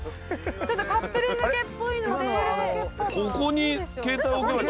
ちょっとカップル向けっぽいので。